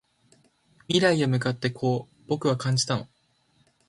未来へ向かってこう僕は感じたの